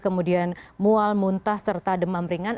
kemudian mual muntah serta demam ringan